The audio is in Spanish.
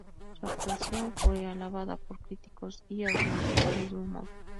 Su actuación fue alabada por críticos y audiencias del mismo modo.